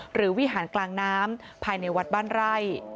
วิหารกลางน้ำภายในวัดบ้านไร่